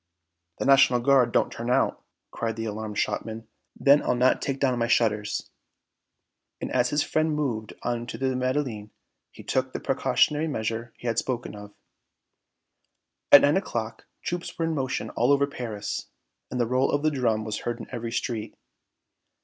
"The National Guard don't turn out!" cried the alarmed shopman; "then I'll not take down my shutters!" And as his friend moved on to the Madeleine, he took the precautionary measure he had spoken of. At nine o'clock troops were in motion all over Paris, and the roll of the drum was heard in every street.